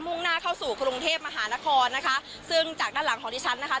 ่งหน้าเข้าสู่กรุงเทพมหานครนะคะซึ่งจากด้านหลังของดิฉันนะคะ